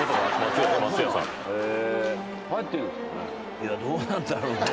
いやどうなんだろうね。